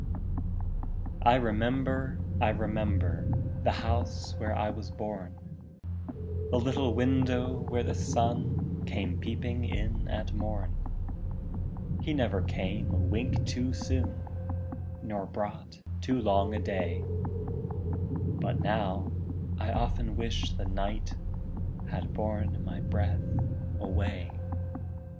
I remember, I remember, The house where I was born, The little window where the sun Came peeping in at morn; He never came a wink too soon, Nor brought too long a day, But now, I often wish the night Had borne my breath away!